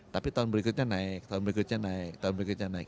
tapi tahun berikutnya naik tahun berikutnya naik tahun berikutnya naik